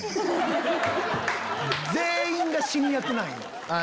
全員が死に役なんよ。